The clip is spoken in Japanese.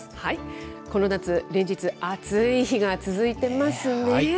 この夏、連日、暑い日が続いてますねぇ。